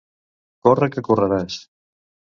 Corre que correràs.